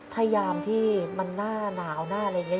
ถ้ายามที่มันหน้าหนาวหน้าอะไรอย่างนี้